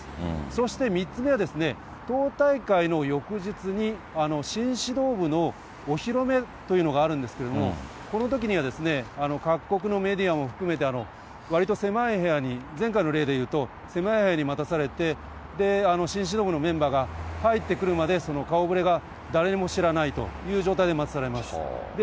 そして３つ目は、党大会の翌日に、新指導部のお披露目というのがあるんですけれども、このときには各国のメディアも含めて、わりと狭い部屋に、前回の例でいうと、狭い部屋に待たされて、新指導部のメンバーが入ってくるまで、顔ぶれが誰にも知らないという状態で待たされます。